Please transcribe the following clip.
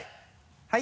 ・はい。